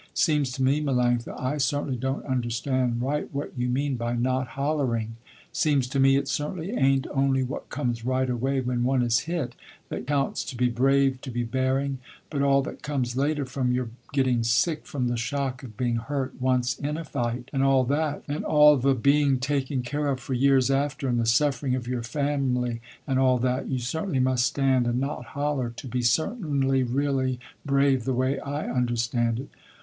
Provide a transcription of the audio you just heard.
Seems to me Melanctha, I certainly don't understand right what you mean by not hollering. Seems to me it certainly ain't only what comes right away when one is hit, that counts to be brave to be bearing, but all that comes later from your getting sick from the shock of being hurt once in a fight, and all that, and all the being taken care of for years after, and the suffering of your family, and all that, you certainly must stand and not holler, to be certainly really brave the way I understand it."